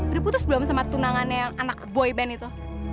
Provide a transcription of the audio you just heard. udah putus belum sama tunangannya yang anak boyband itu